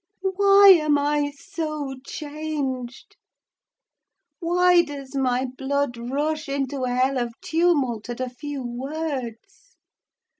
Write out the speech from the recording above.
Why am I so changed? why does my blood rush into a hell of tumult at a few words?